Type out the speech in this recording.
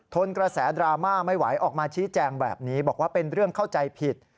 กระแสดราม่าไม่ไหวออกมาชี้แจงแบบนี้บอกว่าเป็นเรื่องเข้าใจผิด